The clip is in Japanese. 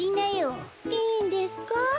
いいんですか？